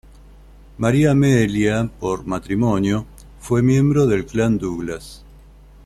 María Amelia, por matrimonio, fue miembro del Clan Douglas.